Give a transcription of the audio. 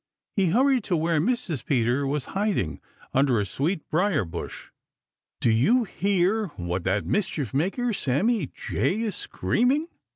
He hurried to where Mrs. Peter was hiding under a sweet briar bush. "Do you hear what that mischief maker, Sammy Jay, is screaming?"